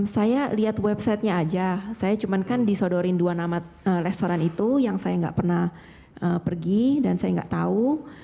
saya lihat websitenya aja saya cuman kan disodorin dua nama restoran itu yang saya nggak pernah pergi dan saya nggak tahu